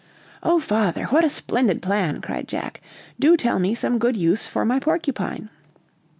"Oh, father, what a splendid plan!" cried Jack; "do tell me some good use for my porcupine."